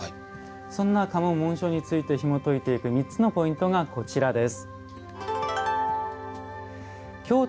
そんな家紋・紋章についてひもといていく３つのポイントがこちらです。